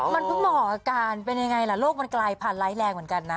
มันเพิ่งเหมาะอาการเป็นยังไงล่ะโรคมันกลายพันธไร้แรงเหมือนกันนะ